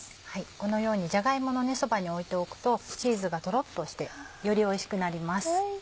このようにじゃが芋のそばに置いておくとチーズがとろっとしてよりおいしくなります。